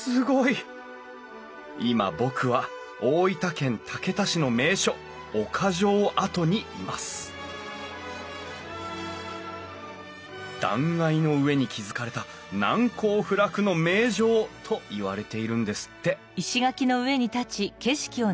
今僕は大分県竹田市の名所岡城跡にいます断崖の上に築かれた「難攻不落の名城」といわれているんですって